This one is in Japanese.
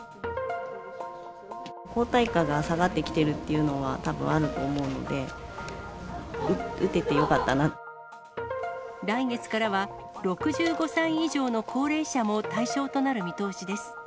抗体価が下がってきているというのは、たぶんあると思うので、来月からは、６５歳以上の高齢者も対象となる見通しです。